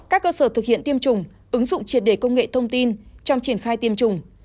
các cơ sở thực hiện tiêm chủng ứng dụng triệt đề công nghệ thông tin trong triển khai tiêm chủng